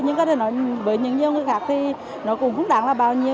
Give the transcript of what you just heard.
nhưng có thể nói với những người khác thì nó cũng không đáng là bao nhiêu